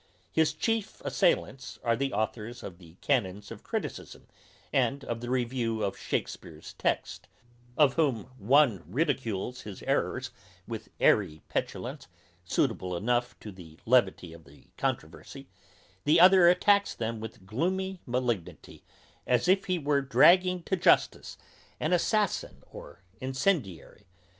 His chief assailants are the authours of the Canons of criticism and of the Review of Shakespeare's text; of whom one ridicules his errours with airy petulance, suitable enough to the levity of the controversy; the other attacks them with gloomy malignity, as if he were dragging to justice an assassin or incendiary.